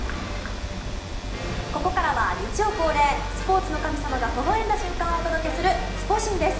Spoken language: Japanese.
ここからは日曜恒例スポーツの神様がほほ笑んだ瞬間をお届けするスポ神です。